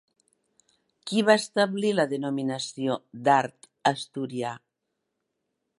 Qui va establir la denominació d'«art asturià»?